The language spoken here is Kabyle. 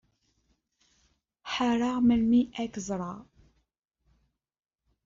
Ḥareɣ melmi ara ken-ẓreɣ.